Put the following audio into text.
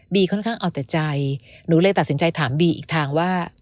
ค่อนข้างเอาแต่ใจหนูเลยตัดสินใจถามบีอีกทางว่า